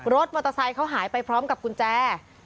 รถมอเตอร์ไซค์เขาหายไปพร้อมกับกุญแจ